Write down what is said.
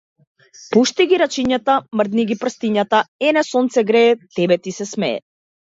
Пушти ги рачињата, мрдни ги прстињата, ене сонце грее, тебе ти се смее.